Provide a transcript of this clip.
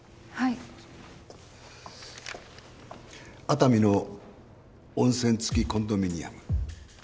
熱海の温泉つきコンドミニアム。